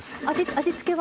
味付けは？